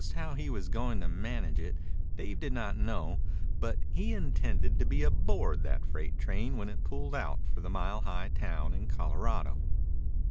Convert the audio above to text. Just how he was going to manage it Dave did not know, but he intended to be aboard that freight when it pulled out for the mile high town in Colorado.